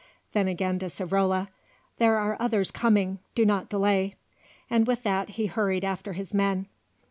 Then again to Savrola: "There are others coming, do not delay;" and with that he hurried after his men.